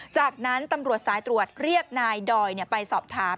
จากนั้นตำรวจสายตรวจเรียกนายดอยไปสอบถาม